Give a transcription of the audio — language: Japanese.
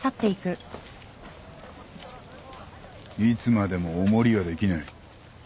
いつまでもお守りはできない。